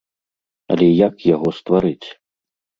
Але як яго стварыць?